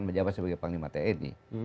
menjabat sebagai panglima te ini